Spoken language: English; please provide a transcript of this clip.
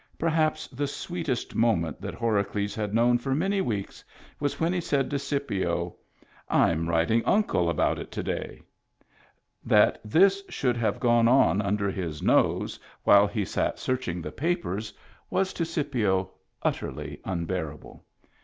Perhaps the sweetest moment that Horacles had known for many weeks was when he said to Scipio :—I'm writing Uncle about it to day." That this should have gone on under his nose Digitized by Google 48 MEMBERS OF THE FAMILY while he sat searching the papers was to Scipio utterly unbearable.